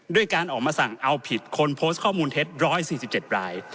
ด้วยการออกมาสั่งเอาผิดคนโพสต์ข้อมูลเท็จ๑๔๗ราย